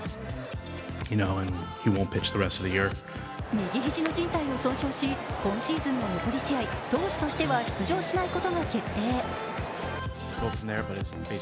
右肘のじん帯を損傷し、今シーズンの残り試合、投手としては出場しないことが決定。